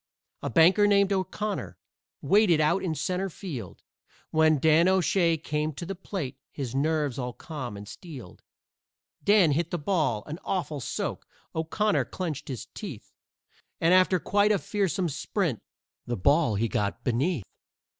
A banker named O'Connor waited out in centre field When Dan O'Shay came to the plate, his nerves all calm and steeled. Dan hit the ball an awful soak, O'Connor clenched his teeth, And after quite a fearsome sprint, the ball he got beneath.